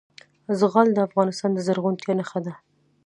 زغال د افغانستان د زرغونتیا نښه ده.